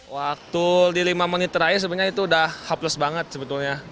waktu di lima menit terakhir sebenarnya itu udah h plus banget sebetulnya